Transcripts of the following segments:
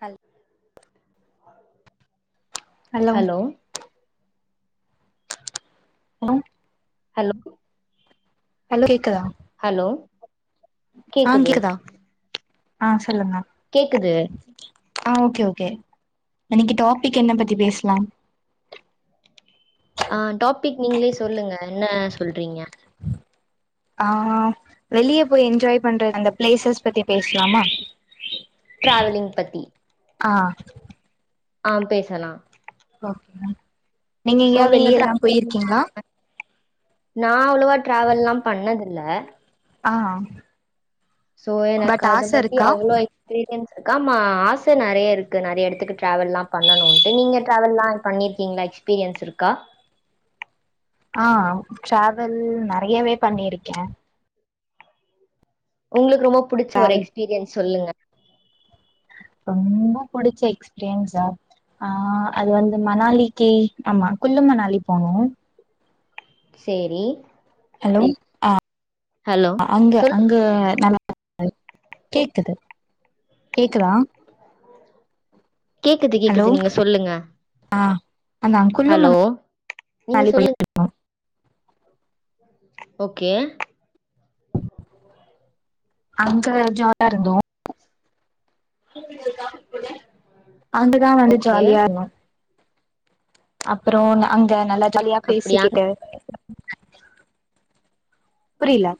ஹல் hello hello hello hello கேக்குதா hello ஆ கேக்குது கிதா ஆ சொல்லுங்க கேக்குது ஆ ஓகே ஓகே இன்னைக்கி டாபிக் என்ன பத்தி பேசலா ஆ டாபிக் நீங்களே சொல்லுங்க என்ன சொல்றீங்க ஆ வெளிய போய் என்ஜாய் பண்றது அந்த பிளேசஸ் பத்தி பேஸ்லாமா ட்ராவலிங் பத்தி ஆ ஆம் பேசலா ஓகேங்க நீங்க சோ எங்கயாவ் வெளியல்லா டிராவல் போயிருக்கீங்ளா நா அவ்ளவா டிராவல்லா பண்ணதில்ல ஆ சோ பட் எனக்கத ஆச பத்தி இருக்கா அவ்ளோ ப்ரியன்ஸ் ஆமா ஆச நெறைய இருக்கு நெறைய இடத்துக்கு ட்ராவெல்லா பண்ணணுன்ட்டு நீங்க ட்ராவெல்லா பண்ணியிருக்கீங்ளா எக்ஸ்பீரியன்ஸ் இருக்கா ஆ டிராவல் நெறையவே பண்ணிருக்கே உங்ளுக்கு ரொம்ப புடிச்ச ஒரு எக்ஸ்பீரியன்ஸ் சொல்லுங்க ரொம்ப புடிச்ச எக்ஸ்பீரியன்ஸா ஆ அது வந்து மணாலிக்கு ஆமா குல்லு மணாலி போனோ சேரி ஹலோ ஆ ஹலோ அங்க சொல் அங்க நல்லா கேக்குது கேக்குதா கேக்குது ஹலோ கேக்குது நீங்க சொல்லுங்க ஆ அந்த அங்குள்ளு ஹலோ நீங்க மணாலி போய் சொல்லுங் ஓகே அங்க ஜா லா இருந்தோ அங்க ளா வந்து ஓகே ஜாலியா இருந்தோ அப்புறம் அங்க நல்லா ஜாலியா அப்டியா பேசிக்கிட்டு புரியல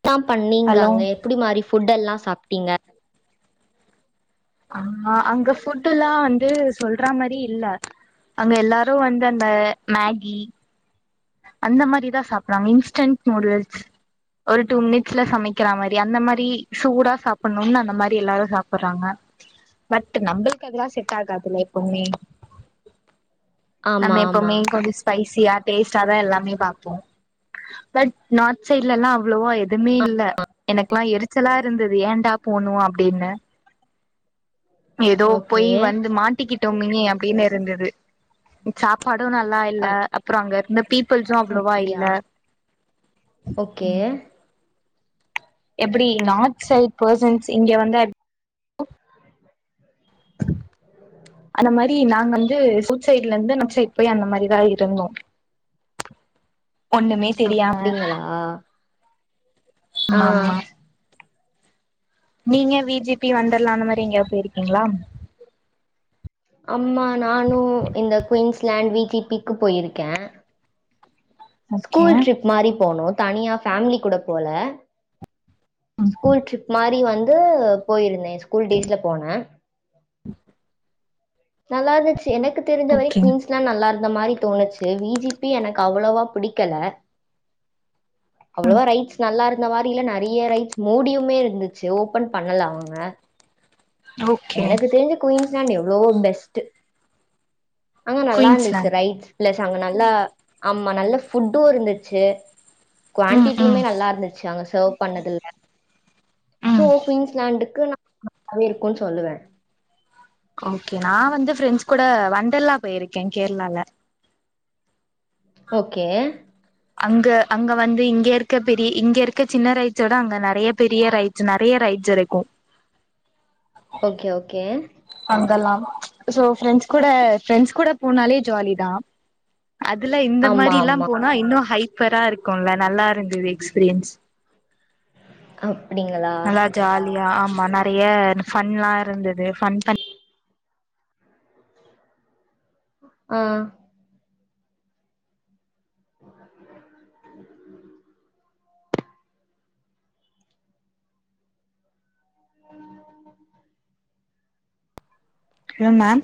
என்னதா பண்ணீங்க ஹலோ அங்க எப்படி மாரி புட் எல்லா சாப்ட்டீங்க ஆ அங்க ஃபுட்டுல்லா வந்து சொல்ற மாதிரி இல்ல அங்க எல்லாரும் வந்து அந்த மேகி அந்த மாரிதா சாப்பிடுராங்க இன்ஸ்டண்ட் நூடுல்ஸ் ஒரு டூ மினிட்ஸ்ல சமைக்கிற மாரி அந்த மாரி சூடா சாப்பிடணும்னு அந்த மாரி எல்லாரும் சாப்பிடுறாங்க பட் நம்மளுக்கு அதெல்லா செட் ஆகாதுல்ல எப்பவுமே ஆமா நம்ம ஆமா எப்பவுமே கொஞ்ச ஸ்பைசியா டேஸ்டாதா எல்லாமே பாப்போம் பட் நார்த் சைட்ல எல்லா அவ்வளவோ எதுவுமே அ இல்ல எனக்கெல்லா எரிச்சலா இருந்தது ஏன்டா போனோ அப்படின்னு ஏதோ ஓகே போய் வந்து மாட்டிக்கிட்டோம் மினி அப்படின்னு இருந்தது சாப்பாடும் நல்லா இல்ல அப்புறம் அங்க இருந்து பீ அப்படியா ஓகே எப்படி நார்த் சைட் பர்சன்ஸ் இங்க வந்தா அந்த மாதிரி நாங்க வந்து சவுத் சைட்ல இருந்து நார்த் சைட் போய் அந்த மாதிரிதா இருந்தோ ஒண்ணுமே தெரியாம அப்படிங்களா மா மா நீங்க வி ஜி பி வொண்டர்லா அந்த மாதிரி எங்கயா போயிருக்கீங்களா அம்மா நானு இந்த குயின்ஸ்லாண்ட் வி ஜி பி க்கு போயிருக்க ஓகே ஸ்கூல் ட்ரிப் மாதிரி போனோ தனியா ஃபேமிலி கூட போல ம் ஸ்கூல் ட்ரிப் மாதிரி வந்து போயிருந்தே ஸ்கூல் டேஸ்ல போனே நல்லா இருந்துச்சு எனக்கு தெரிஞ்ச வரைக்கு ஓகே குயின்ஸ் ல நல்லா இருந்த மாதிரி தோணுச்சு வி ஜி பி எனக்கு அவ்வளோவா புடிக்கல அவ்வளவா ரைட்ஸ் நல்லா இருந்த மாதிரி இல்ல நிறைய ரைடஸ் மூடியுமே இருந்துச்சு ஓபன் பண்ணல அவுங்க ஓகே எனக்கு தெரிஞ்ச குயின்ஸ்லண்ட் எவ்வளோ பெஸ்ட் அங்க நல்லா இருந்துச்சு குயின்ஸ்லாண்ட் ரைட்ஸ் பிளஸ் அங்க நல்லா ஆமா நல்ல ஃபுட்டு இருந்துச்சு ம் ம் குவான்டிட்டியுமே நல்லா இருந்துச்சு அங்க சர்வ் பண்ணதில்ல ம் சோ குயின்ஸ்லாண்டுக்கு நா நல்லாவே இருக்குனு சொல்லுவே ஓகே நா வந்து ஃப்ரெண்ட்ஸ் கூட வொண்டர்ல்லா போயிருக்கே கேரளால ஓகே அங்க அங்க வந்து இங்க இருக்க பெரிய இங்க இருக்க சின்ன ரைட்ச்சோட அங்க நிறைய பெரிய ரைட்ஸ் நறைய ரைட்ஸ் இருக்கு ஓகே ஓகே அங்கெல்லா சோ ஃப்ரெண்ட்ஸ் கூட ஃப்ரெண்ட்ஸ் கூட போனாலே ஜாலி தா அதுல இந்த ஆமா மாரில்லா ஆமா போனா இன்னு ஹைப்பரா இருக்குல்ல நல்லாருந்தது எக்ஸ்பீரியன்ஸ் அப்டிங்களா நல்லா ஜாலியா ஆமா நறைய ஃபன்லா இருந்தது ஃபன் பண் ஆ ஹலோ மேம்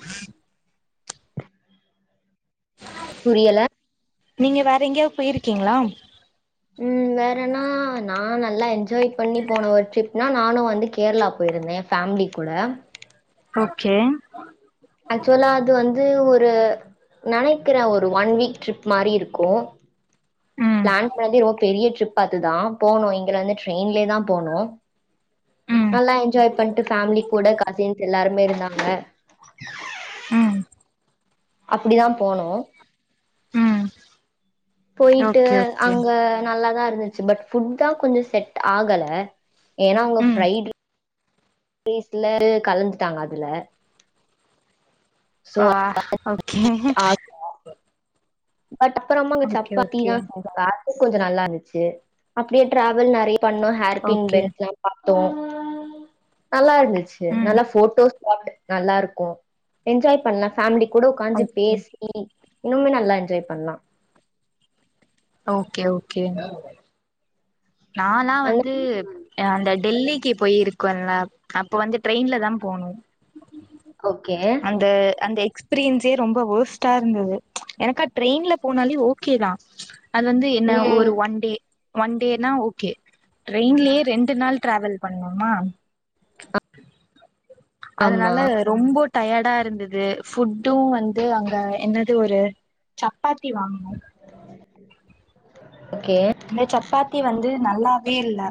புரியல நீங்க வேற எங்கேயாவது போயிருக்கீங்களா ம் வேறன்னா நா நல்லா என்ஜாய் பண்ணி போன ஒரு ட்ரிப்னா நானு வந்து கேரளா போயிருந்தே ஃபேமிலி கூட ஓகே ஆக்சுவலா அது வந்து ஒரு நெனைக்கிறே ஒரு ஒன் வீக் ட்ரிப் மாரி இருக்கு ம் பிளான் பண்ணதே ரொம்ப பெரிய ட்ரிப் அதுதா போனோ இங்க வந்து ட்ரெயின்லேயே தா போனோ ம் நல்லா என்ஜாய் பண்ணிட்டு ஃபேமிலி கூட கசின்ஸ் எல்லாருமே இருந்தாங்க ம் அப்படிதா போனோ ம் போயிட்டு ஓகே ஓகே அங்க நல்லாதா இருந்துச்சு பட் ஃபுட் தா கொஞ்சோ செட் ஆகல ஏனா அவுங்க ம் ஃப்ரைட் டேஸ்ட்ல கலந்துட்டாங்க அதுல சோ ஆ ஓகே பட் அப்றமா அங்க ஓகே ஓகே சப்பாத்திதா சாப் பட கொஞ்சோ நல்லாருந்துச்சு அப்டியே டிராவல் நறய பண்ணோ ஹேர் பின் ஓகே பென்ட்லா பாதோ நல்லாருந்துச்சு ம் நல்லா போட்டோஸ் கிராப்ட் நல்லாருக்கு என்ஜாய் பண்ணலா ஃபேமிலி கூட உட்காஞ்சி ஓகே பேசி இன்னுமே நல்லா என்ஜாய் பண்லா ஓகே ஓகே நாலா அந்த வந்து அந்த டெல்லிக்கி போயிருக்கோல்ல அப்போ வந்து ட்ரெயின்ல தா போணு ஓகே அந்த அந்த எக்ஸ்பீரியன்ஸே ரொம்ப வோர்ஸ்ட்டா இருந்தது எனக்கா ட்ரெயின்ல போனாலே ஓகே தா அது வந்து என்ன ம் ஒரு ஒன் டே ஒன் டே நா ஓகே ட்ரெயின்லயே ரெண்டு நாள் டிராவல் பண்ணோமா ஆமா அதனால ரொம்போ டயார்டா இருந்தது ஃபுட்டு வந்து அங்க என்னது ஒரு சப்பாத்தி வாங்கனோ ஓகே அந்த சப்பாத்தி வந்து நல்லாவே இல்ல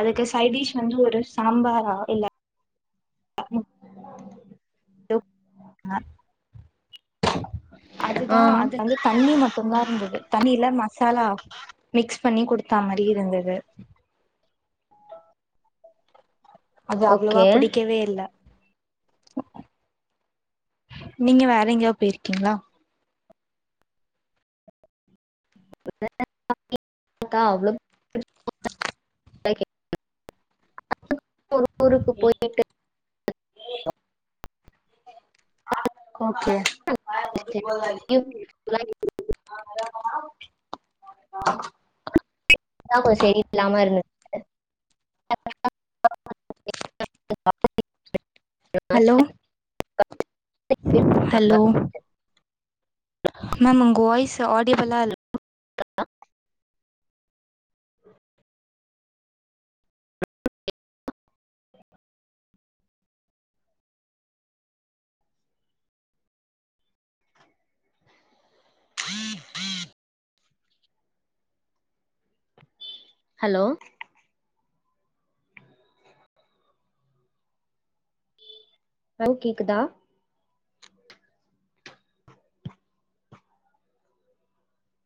அதுக்கு சைட் டிஷ் வந்து ஒரு சாம்பாரா இல்ல [inaudible] ஆ அதுதா அது வந்து தண்ணி மட் மட்டு்தா இருந்தது தண்ணியில மசாலா மிக்ஸ் பண்ணி குடுத்தா மாரி இருந்தது அது அவ்ளோவா ஓகே புடிக்கவே இல்ல நீங்க வேற எங்கேயா போயிருக்கீங்களா [inaudible] [inaudible] ஊருக்கு போயிட்டு ஓகே [inaudible] ஆமா செரியில்லாம இருந் [inaudible] ஹலோ ஹலோ மேம் உங்க வாய்ஸ் ஆடியபிள்லா இ ஹலோ மேம் கேக்குதா